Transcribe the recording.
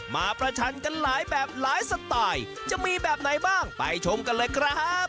ประชันกันหลายแบบหลายสไตล์จะมีแบบไหนบ้างไปชมกันเลยครับ